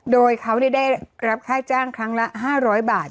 โดยเขาได้รับค่าจ้างครั้งละ๕๐๐บาท